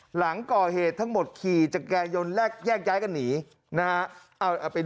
หลังก่อเหตุทั้งหมดขี่จักรยายนแยกย้ายกันหนีนะฮะ